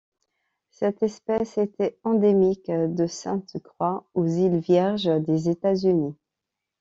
Cette espèce était endémique de Sainte-Croix aux îles Vierges des États-Unis.